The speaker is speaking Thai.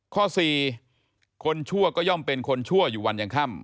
ข้อ๔คนชั่วก็ย่อมเป็นคนชั่วอยู่วันยังค่ำ